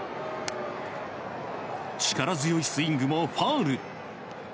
力強いスイングもファウル。